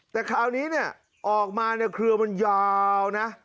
แต่คราวนี้เนี่ยออกมาเนี่ยเครือมันยาวนะ